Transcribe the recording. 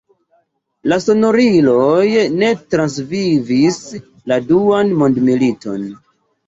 La sonoriloj ne transvivis la Duan mondmiliton.